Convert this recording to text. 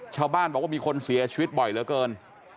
ชาวบ้านบอกว่ามีคนเสียชีวิตบ่อยเหลือเกิน